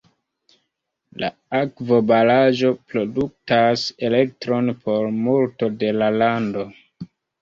La akvobaraĵo produktas elektron por multo de la lando.